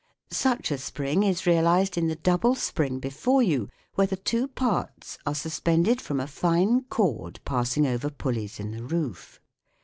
Such a spring is realised in the double spring SOUND IN MUSIC 59 before you where the two parts are suspended from a fine cord passing over pulleys in the roof.